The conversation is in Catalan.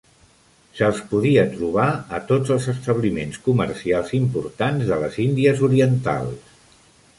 Se'ls podia trobar a tots els establiments comercials importants de les Índies Orientals.